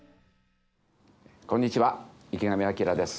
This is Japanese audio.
こんにちは池上彰です。